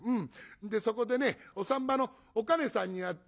でそこでねお産婆のおかねさんに会って。